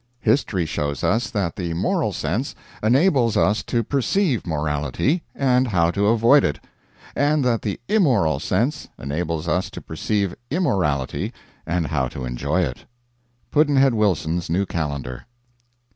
History shows us that the Moral Sense enables us to perceive morality and how to avoid it, and that the Immoral Sense enables us to perceive immorality and how to enjoy it. Pudd'nhead Wilson's New Calendar.